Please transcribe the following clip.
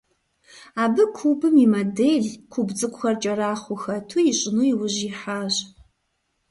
Абы кубым и модель, куб цIыкIухэр кIэрахъуэу хэту ищIыну и ужь ихьащ.